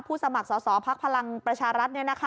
สมัครสอสอภักดิ์พลังประชารัฐ